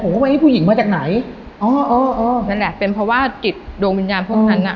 ว่าผู้หญิงมาจากไหนอ๋ออ๋อนั่นแหละเป็นเพราะว่าจิตดวงวิญญาณพวกนั้นน่ะ